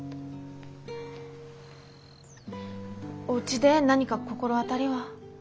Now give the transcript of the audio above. おうちで何か心当たりは？